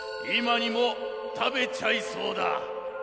いまにもたべちゃいそうだ。